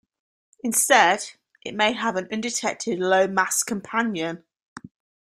Instead, it may have an undetected lower mass companion.